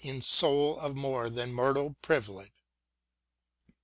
In soul of more than mortal privilege.!